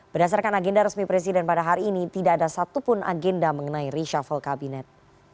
berdasarkan agenda resmi presiden pada hari ini tidak ada satupun agenda mengenai reshuffle kabinet